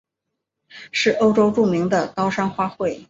是欧洲著名的高山花卉。